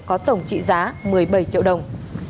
có tổng trị giá một mươi bảy triệu đồng